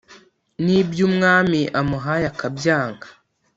niby’umwami amuhaye akabyanga